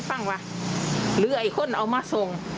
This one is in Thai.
ถ้าจ่ายอยู่นี่คิดเท่าไหร่